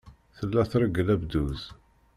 Tella treggel abduz.